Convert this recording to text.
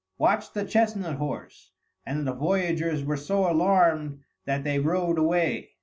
"Watch the chestnut horse!" and the voyagers were so alarmed that they rowed away.